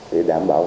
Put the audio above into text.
để đảm bảo